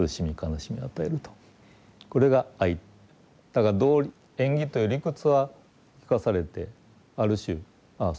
だから縁起という理屈は聞かされてある種あ